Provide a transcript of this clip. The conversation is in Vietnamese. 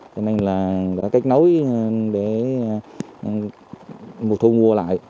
cho nên là kết nối để mục thu mua lại